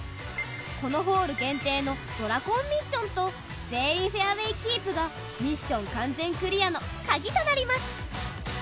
このホール限定のドラコンミッションと全員フェアウェイキープがミッション完全クリアのカギとなります。